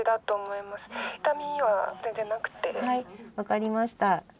分かりました。